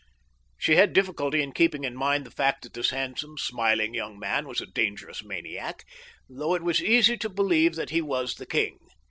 She had difficulty in keeping in mind the fact that this handsome, smiling young man was a dangerous maniac, though it was easy to believe that he was the king.